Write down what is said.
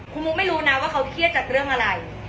คุณมุกไม่รู้นะว่าเขาเครียดจากเรื่องอะไร